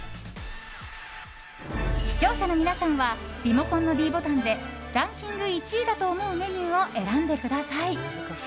視聴者の皆さんはリモコンのｄボタンでランキング１位だと思うメニューを選んでください。